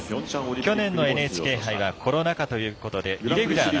去年のＮＨＫ杯はコロナ禍ということでイレギュラーな